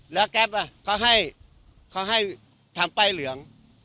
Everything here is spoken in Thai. แล้วแก๊ปเขาให้เขาให้ทำป้ายเหลือง